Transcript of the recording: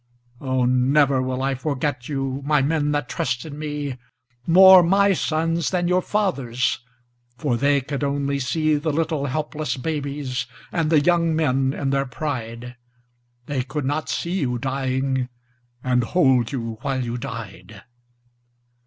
Oh, never will I forget you, My men that trusted me. More my sons than your fathers'. For they could only see The little helpless babies And the young men in their pride. They could not see you dying. And hold you while you died.